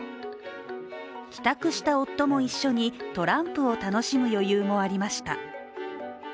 帰宅した夫も一緒にトランプを楽しむ余裕もありました。